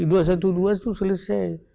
dua ratus dua belas itu selesai